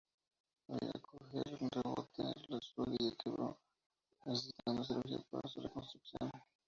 Al ir a coger un rebote su rodilla quebró, necesitando cirugía para su reconstrucción.